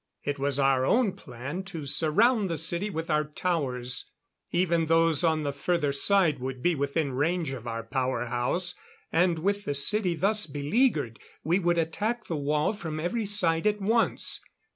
It was our own plan to surround the city with our towers; even those on the further side would be within range of our power house; and with the city thus beleaguered, we would attack the wall from every side at once.